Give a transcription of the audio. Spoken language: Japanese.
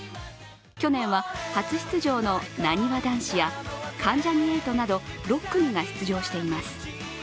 去年は初出場のなにわ男子や関ジャニ∞など６組が出場しています。